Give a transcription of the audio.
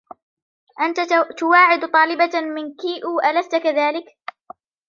أنت تواعد طالبةً من كيئو ، ألست كذلك ؟